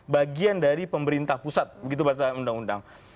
bagian dari pemerintah pusat begitu bahasa undang undang